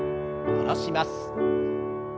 下ろします。